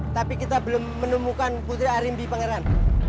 tapi kita belum menemukan putri arimbi pangeran